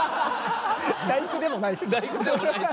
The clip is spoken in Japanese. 「第９」でもないし。